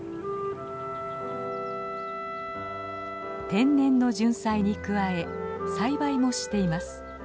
天然のジュンサイに加え栽培もしています。